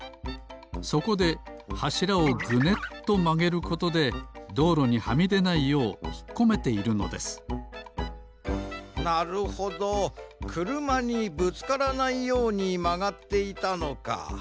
そこではしらをぐねっとまげることでどうろにはみでないようひっこめているのですなるほどくるまにぶつからないようにまがっていたのか。